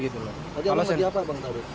tadi kamu mau diapa bang